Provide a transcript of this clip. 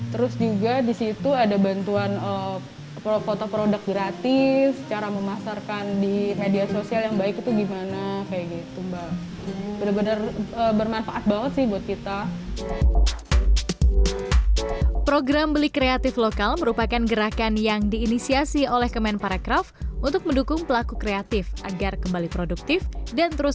terus juga di situ ada bantuan foto produk gratis cara memasarkan di media sosial yang baik itu gimana kayak gitu